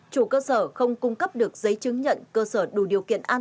chủ cơ sở không cung cấp được giấy chứng nhận cơ sở đủ điều kiện an toàn